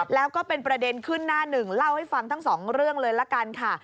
แล้วก็เป็นประเด็นขึ้นหน้าหนึ่งเล่าให้ฟังทั้งสองเรื่องเลยละกันค่ะ